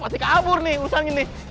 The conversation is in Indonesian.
pasti kabur nih urusan gini